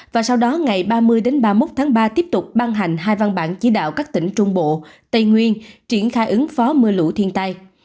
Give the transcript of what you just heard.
và tiếp tục ban hành hai văn bản chỉ đạo các tỉnh trung bộ tây nguyên triển khai ứng phó mưa lũ thiên tai